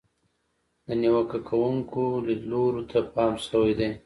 د نیوکه کوونکو لیدلورو ته پام شوی دی.